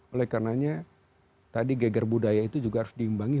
oleh karenanya tadi geger budaya itu juga harus diimbangi